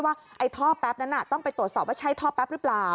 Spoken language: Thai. ว่าไอ้ท่อแป๊บนั้นต้องไปตรวจสอบว่าใช่ท่อแป๊บหรือเปล่า